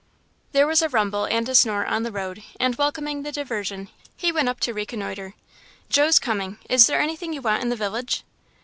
There was a rumble and a snort on the road and, welcoming the diversion, he went up to reconnoitre. "Joe's coming; is there anything you want in the village?"